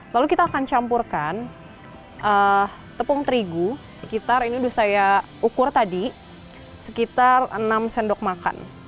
lalu kita akan campurkan tepung terigu sekitar ini sudah saya ukur tadi sekitar enam sendok makan